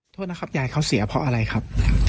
โทษนะครับยายเขาเสียเพราะอะไรครับ